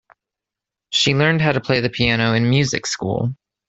She learned how to play the piano in music school.